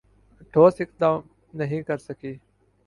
ٹھوس اقدام نہیں کرسکی